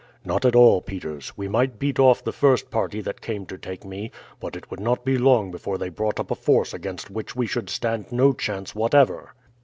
"Not at all, Peters. We might beat off the first party that came to take me, but it would not be long before they brought up a force against which we should stand no chance whatever.